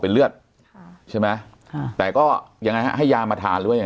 เป็นเลือดใช่ไหมอ่าแต่ก็ยังไงฮะให้ยามาทานหรือว่า